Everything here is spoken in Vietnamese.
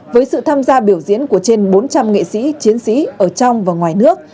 với sự tham gia biểu diễn của trên bốn trăm linh nghệ sĩ chiến sĩ ở trong và ngoài nước